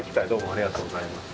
ありがとうございます。